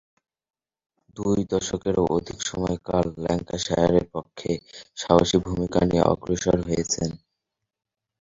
দুই দশকেরও অধিক সময়কাল ল্যাঙ্কাশায়ারের পক্ষে সাহসী ভূমিকা নিয়ে অগ্রসর হয়েছেন।